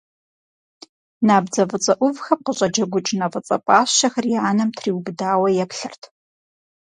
Набдзэ фӀыцӀэ Ӏувхэм къыщӀэджэгукӀ нэ фӀыцӀэ пӀащэхэр и анэм триубыдауэ еплъырт.